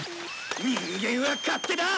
人間は勝手だ！